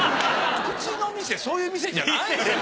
うちの店そういう店じゃないんですよ。